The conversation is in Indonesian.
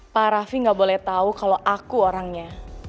pak rafi nggak boleh tahu kalau aku orangnya